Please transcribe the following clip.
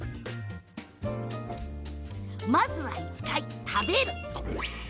まずは１階、食べる。